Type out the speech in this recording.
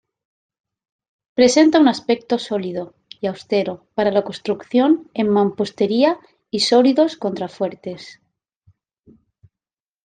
Presenta un aspecto sólido y austero para la construcción en mampostería y sólidos contrafuertes.